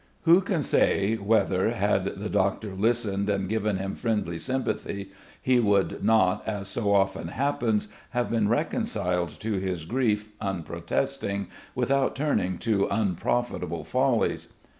Who can say whether, had the doctor listened and given him friendly sympathy, he would not, as so often happens, have been reconciled to his grief unprotesting, without turning to unprofitable follies?